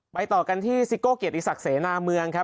ต่อกันที่ซิโก้เกียรติศักดิ์เสนาเมืองครับ